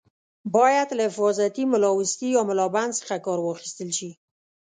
باید له حفاظتي ملاوستي یا ملابند څخه کار واخیستل شي.